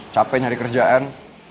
capek nyari kerjaan